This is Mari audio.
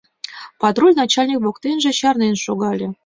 — Патруль начальник воктенже чарнен шогале.